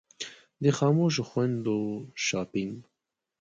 د خاموشو خویندو شاپنګ.